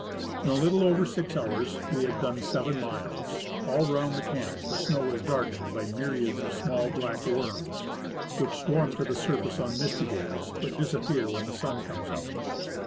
In a little over six hours we had done seven miles. All round the camp the snow is darkened by myriads of small black worms, which swarm to the surface on misty days, but disappear when the sun comes out.